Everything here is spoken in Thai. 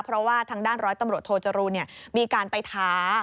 เพราะว่าทางด้านร้อยตำรวจโทจรูนมีการไปท้า